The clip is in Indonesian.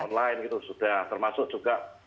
online gitu sudah termasuk juga